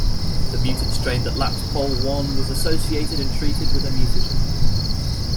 The mutant strain that lacked Pol I was isolated and treated with a mutagen.